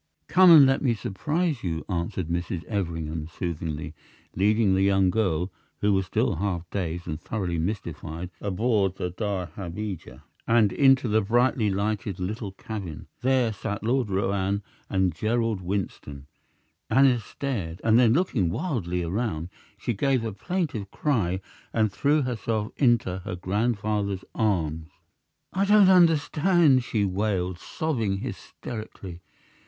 "Come and let me surprise you," answered Mrs. Everingham, soothingly, leading the young girl, who was still half dazed and thoroughly mystified, aboard the dahabeah and into the brightly lighted little cabin. There sat Lord Roane and Gerald Winston. Aneth stared, and then, looking wildly around, she gave a plaintive cry and threw herself into her grandfather's arms. "I don't understand!" she wailed, sobbing hysterically.